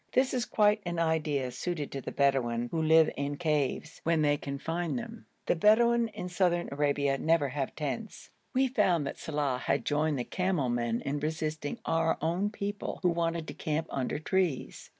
This is quite an idea suited to the Bedouin, who live in caves, when they can find them. The Bedouin in Southern Arabia never have tents. We found that Saleh had joined the camel men in resisting our own people, who wanted to encamp under trees.